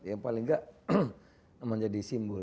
yang paling enggak menjadi simbol